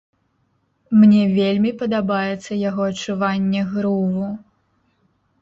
Мне вельмі падабаецца яго адчуванне груву.